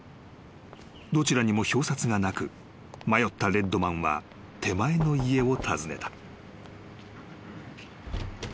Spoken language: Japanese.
［どちらにも表札がなく迷ったレッドマンは手前の家を訪ねた］